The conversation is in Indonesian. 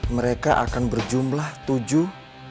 mereka akan berjumlah tujuh